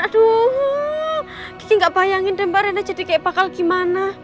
aduh gingga bayangin deh mbak rena jadi kayak bakal gimana